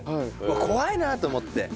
怖いなと思って。